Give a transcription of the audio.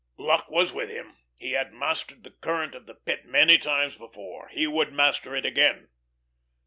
Luck was with him; he had mastered the current of the Pit many times before he would master it again.